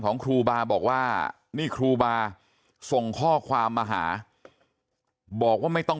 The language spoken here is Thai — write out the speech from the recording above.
ครูบาบอกว่านี่ครูบาส่งข้อความมาหาบอกว่าไม่ต้อง